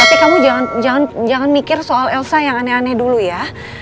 tapi kamu jangan mikir soal elsa yang aneh aneh dulu ya